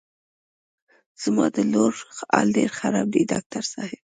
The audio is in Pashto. زما د لور حال ډېر خراب دی ډاکټر صاحب.